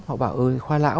họ bảo ơi khoa lão